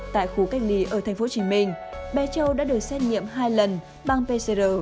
tại khu cách ly ở tp hcm bé châu đã được xét nghiệm hai lần bằng pcr